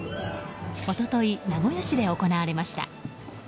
一昨日、名古屋市で行われました。